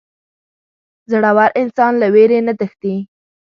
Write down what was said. • زړور انسان له وېرې نه تښتي.